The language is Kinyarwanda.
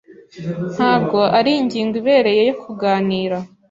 Ntabwo ari ingingo ibereye yo kuganira.